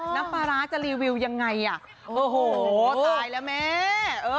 น้ำปลาร้าจะรีวิวยังไงอ่ะโอ้โหตายแล้วแม่